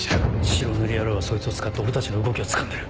白塗り野郎はそいつを使って俺たちの動きをつかんでる。